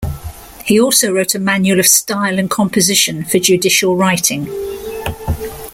He also wrote a manual of style and composition for judicial writing.